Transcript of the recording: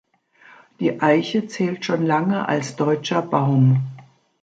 Die Eiche zählt schon lange als „deutscher“ Baum.